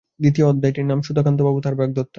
দ্বিতীয় অধ্যায়টির নাম-সুধাকান্তবাবুও তাঁর বাগদত্তা।